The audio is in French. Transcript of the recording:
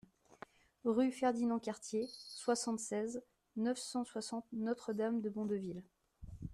Rue Ferdinand Cartier, soixante-seize, neuf cent soixante Notre-Dame-de-Bondeville